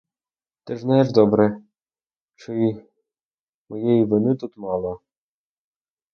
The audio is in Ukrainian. Ти ж знаєш добре, що й моєї вини тут мало.